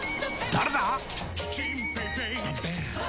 誰だ！